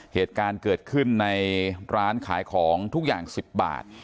เหตุการณ์เกิดขึ้นในร้านขายของทุกอย่าง๑๐บาท